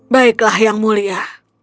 baiklah yang mulia